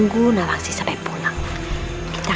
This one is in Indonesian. kamu bisa belajar tari